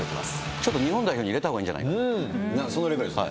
ちょっと日本代表に入れたほそんなレベルですね。